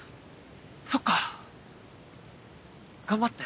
そっか頑張って。